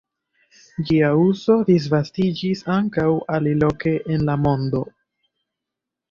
Ĝia uzo disvastiĝis ankaŭ aliloke en la mondo.